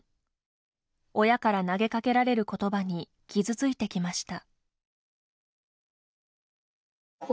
親から投げかけられる言葉に傷ついてきました。